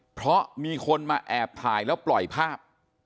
เพราะมีคนมาแอบถ่ายแล้วปล่อยภาพ